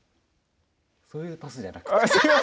そういうパスじゃなくて。